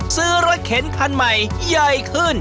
ซื้อรถเข็นคันใหม่ใหญ่ขึ้น